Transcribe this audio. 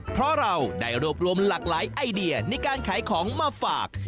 เพราะเราได้รวบรวมหลากหลายไอเดียในการขายของมาฝาก